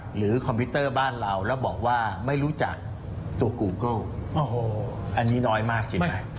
คอมพิวเตอร์บ้านเราแล้วบอกว่าไม่รู้จักตัวกูเกิ้ลโอ้โหอันนี้น้อยมากจริงไหม